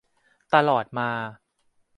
ตลอดมา